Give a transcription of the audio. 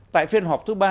tại phiên họp thứ ba